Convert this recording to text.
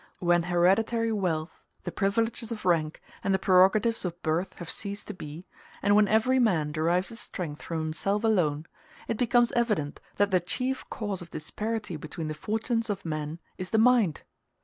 When hereditary wealth, the privileges of rank, and the prerogatives of birth have ceased to be, and when every man derives his strength from himself alone, it becomes evident that the chief cause of disparity between the fortunes of men is the mind.